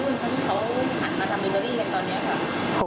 ที่เขาหันมาทำเบเกอรี่แหละตอนนี้ครับ